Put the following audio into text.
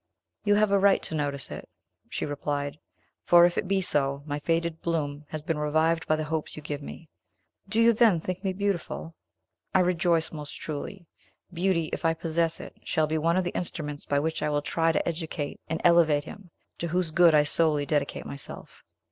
"You have a right to notice it," she replied, "for, if it be so, my faded bloom has been revived by the hopes you give me. Do you, then, think me beautiful? I rejoice, most truly. Beauty if I possess it shall be one of the instruments by which I will try to educate and elevate him, to whose good I solely dedicate myself."